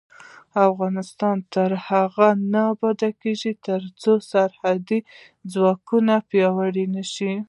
افغانستان تر هغو نه ابادیږي، ترڅو سرحدي ځواکونه پیاوړي نشي.